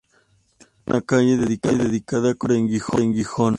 Tiene una calle dedicada con su nombre en Gijón.